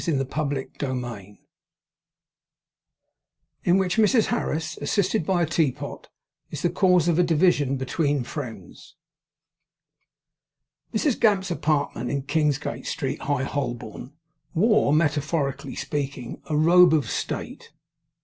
CHAPTER FORTY NINE IN WHICH MRS HARRIS ASSISTED BY A TEAPOT, IS THE CAUSE OF A DIVISION BETWEEN FRIENDS Mrs Gamp's apartment in Kingsgate Street, High Holborn, wore, metaphorically speaking, a robe of state.